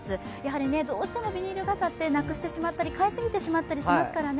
どうしてもビニール傘ってなくしてしまったり買いすぎてしまったりしますからね。